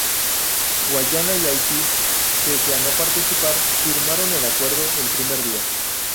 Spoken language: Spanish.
Guyana y Haití, pese a no participar, firmaron el acuerdo el primer día.